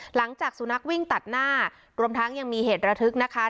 สุนัขวิ่งตัดหน้ารวมทั้งยังมีเหตุระทึกนะคะ